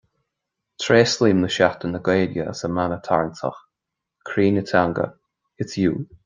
Tréaslaím le Seachtain na Gaeilge as a mana tarraingteach "Croí na Teanga: It's you".